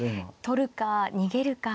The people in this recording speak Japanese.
取るか逃げるか。